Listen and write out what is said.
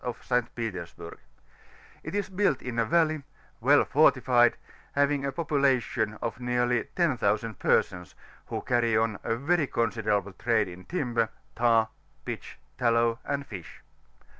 of St. Petersburg; it is built in a valley, and well fortified, having a population of nearly 10,000 p^sons, who carry on a very consaderaUe trade in limber, tar, ]fitch, tallow, and fish.